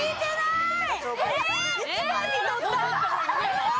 １番にとった！